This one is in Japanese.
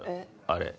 あれ。